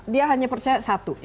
dia hanya percaya satu